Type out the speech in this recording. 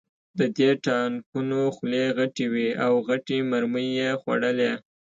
د دې ټانکونو خولې غټې وې او غټې مرمۍ یې خوړلې